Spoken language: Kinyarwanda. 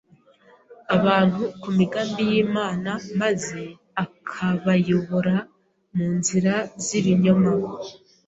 abantu ku migambi y’Imana maze akabayobora mu nzira z’ibinyoma.